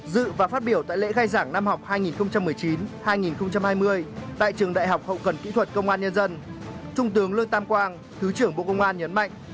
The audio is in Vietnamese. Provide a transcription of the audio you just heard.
dự và phát biểu tại lễ khai giảng năm học hai nghìn một mươi chín hai nghìn hai mươi tại trường đại học hậu cần kỹ thuật công an nhân dân trung tướng lương tam quang thứ trưởng bộ công an nhấn mạnh